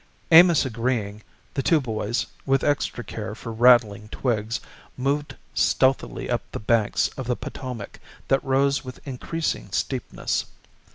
Amos agreeing, the two boys, with extra care for rattling twigs, moved stealthily up the banks of the Potomac that rose with increasing steepness.